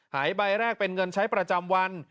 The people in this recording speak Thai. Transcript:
หายใบแรกเป็นเงินใช้ประจำวัน